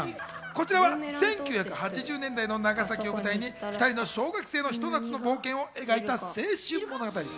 こちらは１９８０年代の長崎を舞台に、２人の小学生のひと夏の冒険を描いた青春物語。